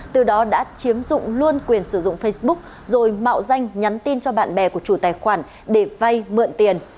từ đó đã chiếm dụng luôn quyền sử dụng facebook rồi mạo danh nhắn tin cho bạn bè của chủ tài khoản để vay mượn tiền